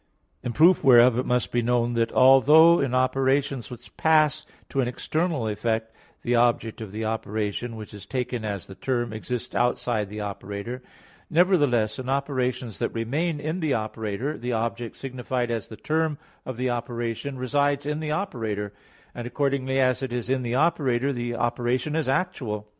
In proof whereof it must be known that although in operations which pass to an external effect, the object of the operation, which is taken as the term, exists outside the operator; nevertheless in operations that remain in the operator, the object signified as the term of operation, resides in the operator; and accordingly as it is in the operator, the operation is actual.